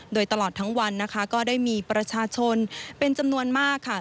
โดยตลอดทั้งวันนะคะก็ได้มีประชาชนเป็นจำนวนมากค่ะ